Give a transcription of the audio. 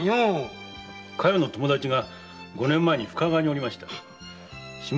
加代の友達が五年前に深川におりましてね。